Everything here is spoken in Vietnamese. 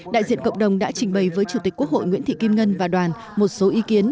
đại diện cộng đồng đã trình bày với chủ tịch quốc hội nguyễn thị kim ngân và đoàn một số ý kiến